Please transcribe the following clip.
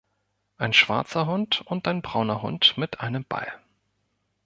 Ein schwarzer Hund und ein brauner Hund mit einem Ball